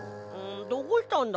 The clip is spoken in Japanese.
どうしたんだ？